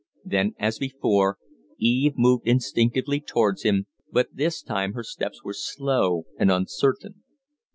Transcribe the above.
Then, as before, Eve moved instinctively towards him, but this time her steps were slow and uncertain.